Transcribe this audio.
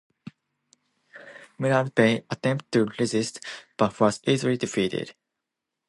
Murad Bey attempted to resist, but was easily defeated.